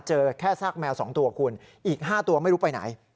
เจอแค่ซากแมว๒ตัวคุณอีก๕ตัวไม่รู้ไปไหน